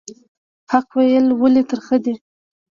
حق ویل ولې ترخه دي؟